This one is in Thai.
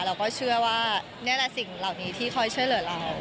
เราก็เชื่อว่านี่แหละสิ่งเหล่านี้ที่คอยช่วยเหลือเรา